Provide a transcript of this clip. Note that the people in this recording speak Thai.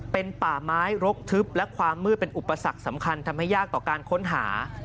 เป็นป่าไม้รกทึบและความมืดเป็นอุปสรรคสำคัญทำให้ยากต่อการค้นหา